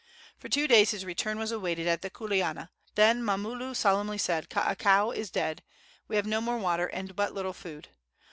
For two days his return was awaited at the kuleana. Then Mamulu solemnly said: "Kaakao is dead. We have no more water and but little food.